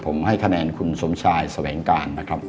ผมให้คะแนนคุณสวัยงกลาง